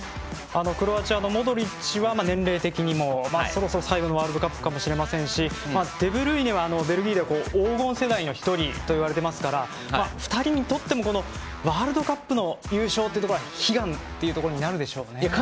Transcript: クロアチアのモドリッチは年齢的にもそろそろ最後のワールドカップかもしれませんしデブルイネはベルギーで黄金世代の一人といわれていますから２人にとってもワールドカップの優勝っていうところは悲願ということになるでしょうか。